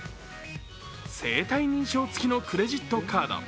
生体認証付きのクレジットカード。